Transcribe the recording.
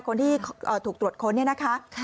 คนที่ถูกตรวจค้นเนี่ยนะคะ